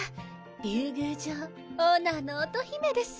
竜宮城オーナーの乙姫です。